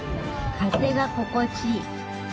風が心地いい。